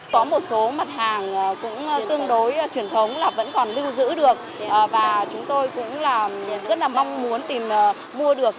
có một số mặt hàng cũng tương đối truyền thống là vẫn còn lưu giữ được và chúng tôi cũng rất là mong muốn tìm mua được